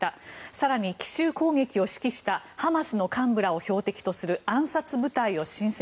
更に奇襲攻撃を指揮したハマスの幹部らを標的とする暗殺部隊を新設。